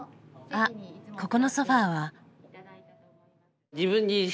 あっここのソファーは。